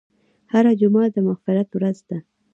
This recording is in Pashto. هره جمعه د مغفرت ورځ ده.